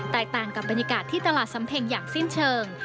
ต่างกับบรรยากาศที่ตลาดสำเพ็งอย่างสิ้นเชิง